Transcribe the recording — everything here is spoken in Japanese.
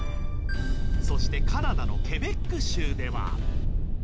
そしてカナダのケベック州では。